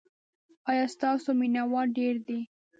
ایا ستاسو مینه وال ډیر دي؟